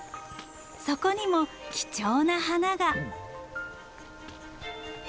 そこにも貴重な花が。